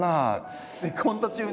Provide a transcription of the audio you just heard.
コント中に？